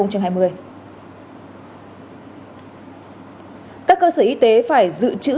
các cơ sở y tế phải dự trữ